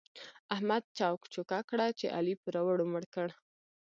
احمد چوک چوکه کړه چې علي پوروړو مړ کړ.